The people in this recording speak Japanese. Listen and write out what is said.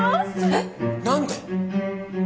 えっ！？何で！？